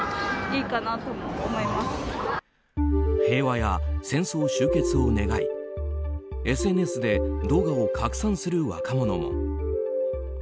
平和や戦争終結を願いＳＮＳで動画を拡散する若者も。